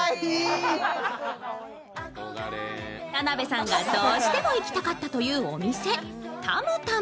田辺さんがどうしても行きたかったというお店、ＴＡＭＴＡＭ。